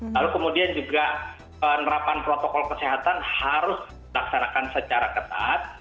lalu kemudian juga penerapan protokol kesehatan harus dilaksanakan secara ketat